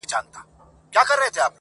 او ښه په ډاگه درته وايمه چي.